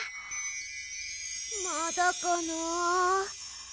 まだかな。